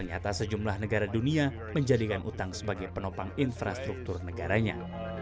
nyata sejumlah negara dunia menjadikan utang sebagai penopang infrastruktur negaranya